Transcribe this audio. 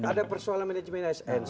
ada persoalan manajemen asn